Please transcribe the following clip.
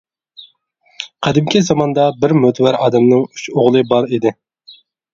قەدىمكى زاماندا بىر مۆتىۋەر ئادەمنىڭ ئۈچ ئوغلى بار ئىدى.